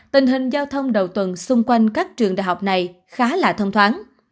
tình hình giao thông đầu tuần xung quanh các trường đại học này khá là thông thoáng